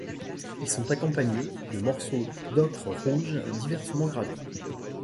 Ils sont accompagnés de morceaux d'ocre rouge diversement gravés.